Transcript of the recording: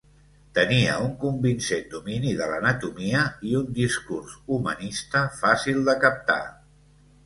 Tenia un convincent domini de l'anatomia, i un discurs humanista fàcil de captar.